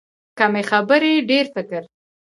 کمې خبرې، ډېر فکر.